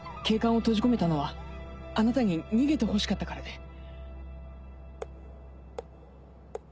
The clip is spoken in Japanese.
警官を閉じ込めたのはあなたに逃げてほしかったからで。